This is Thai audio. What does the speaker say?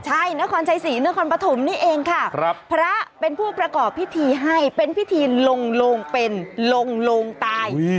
ใช่นครชัยศรีนครปฐมนี่เองค่ะพระเป็นผู้ประกอบพิธีให้เป็นพิธีลงโลงเป็นลงโลงตาย